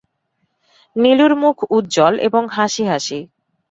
নীলুর মুখ উজ্জ্বল এবং হাসি-হাসি।